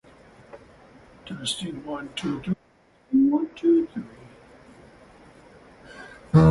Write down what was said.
One of the band's signature elements is the setup among the three vocalists.